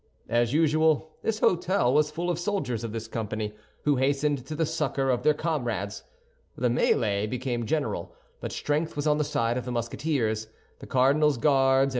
As usual, this hôtel was full of soldiers of this company, who hastened to the succor of their comrades. The mêlée became general, but strength was on the side of the Musketeers. The cardinal's Guards and M.